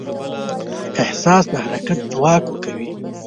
احساس د حرکت ځواک ورکوي.